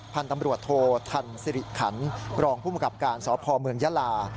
พันธุ์ตำรวจโททันสิริขันรองค์ผู้กำคับการสอบพเมืองยะลา